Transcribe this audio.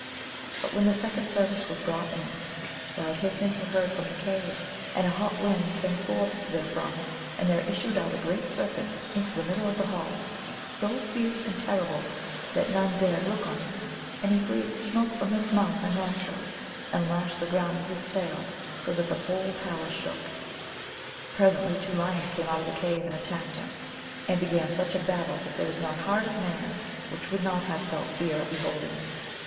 But when the second service was brought in loud hissings were heard from the cave, and a hot wind came forth therefrom, and there issued out a great serpent into the middle of the haH, so fierce and terrible that none dared look on him, and he breathed smoke from his mouth and nostrils, and lashed the ground with his tail so that the whole palace shook ; l)resently two lions came out of the cave and attacked him, and began such a battle that there is not heart of man which would not have felt fear at beholding it.